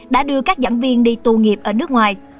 đã đưa các giảng viên đi tù nghiệp ở nước ngoài